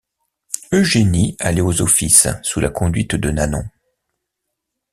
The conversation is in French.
Eugénie allait aux offices sous la conduite de Nanon.